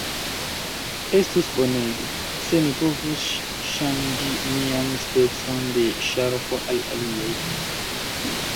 Estus bonege, se mi povus ŝanĝi mian specon de ŝarko al alia.